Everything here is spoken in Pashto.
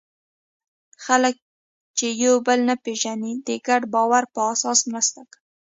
خلک چې یو بل نه پېژني، د ګډ باور په اساس مرسته کوي.